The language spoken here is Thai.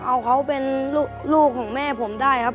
เอาเขาเป็นลูกของแม่ผมได้ครับ